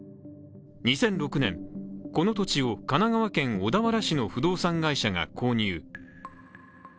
２００６年、この土地を神奈川県小田原市の不動産会社が購入。